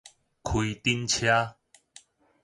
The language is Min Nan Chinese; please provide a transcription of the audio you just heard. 開頂車